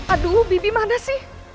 aduh bibi mana sih